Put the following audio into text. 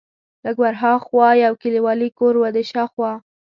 لږ ور ها خوا یو کلیوالي کور و، د کور شاوخوا.